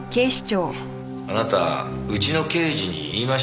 あなたうちの刑事に言いましたよね？